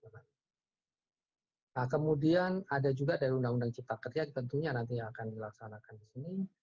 nah kemudian ada juga dari undang undang cipta ketiak tentunya nanti akan dilaksanakan disini